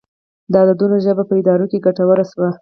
د عددونو ژبه په ادارو کې ګټوره شوه.